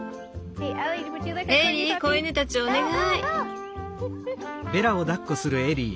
エリー子犬たちをお願い。